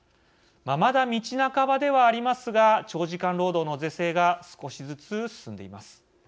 まだ道半ばではありますが長時間労働の是正が少しずつ進んでいます。